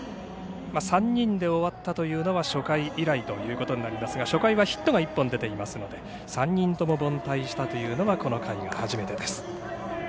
３人で終わったというのは初回以来ということになりますが初回はヒットが１本出ていますので３人凡退したというのはこの回が初めてです。